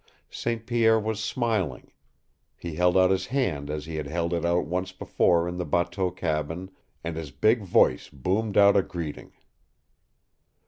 St. Pierre was smiling. He held out his hand as he had held it out once before in the bateau cabin, and his big voice boomed out a greeting.